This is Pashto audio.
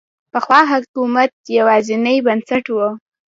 پخوا حکومت یوازینی بنسټ و.